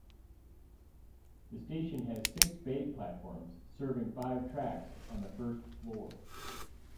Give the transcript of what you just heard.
The station has six bay platforms serving five tracks on the first floor.